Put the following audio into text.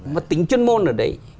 mà tính chuyên môn ở đấy